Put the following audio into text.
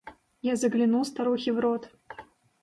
Я заглянул старухе в рот.